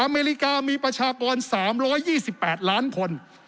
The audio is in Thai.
อเมริกามีประชากร๓๒๘ล้านคน